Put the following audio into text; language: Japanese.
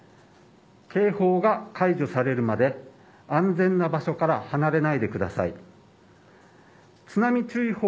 警報が解除されるまで安全な場所から離れないでください。